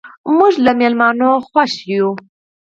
موږ له میلمانه خوښ یو.